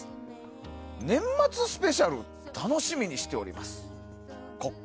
ＰＳ、年末スペシャル楽しみにしております。